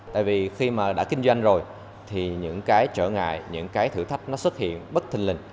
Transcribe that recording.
tại vì khi mà đã kinh doanh rồi thì những cái trở ngại những cái thử thách nó xuất hiện bất thình lình